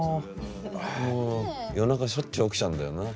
もう夜中しょっちゅう起きちゃうんだよな。